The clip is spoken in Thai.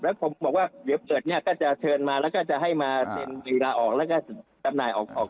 แล้วก็จะให้มาเช็นฟีราออกแล้วก็จะตำนายออก